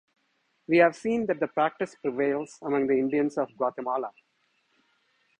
We have seen that the practice prevails among the Indians of Guatemala.